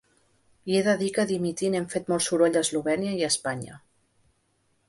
I he de dir que dimitint hem fet molt soroll a Eslovènia i Espanya.